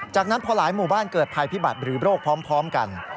จากนั้นพอหลายหมู่บ้านเกิดภัยพิบัตรหรือโรคพร้อมกัน